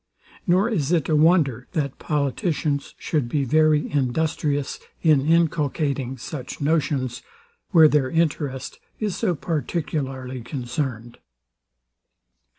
Nor is it a wonder, that politicians should be very industrious in inculcating such notions, where their interest is so particularly concerned.